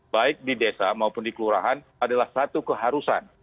baik di desa maupun di kelurahan adalah satu keharusan